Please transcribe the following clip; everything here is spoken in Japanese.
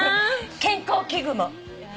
「健康器具も」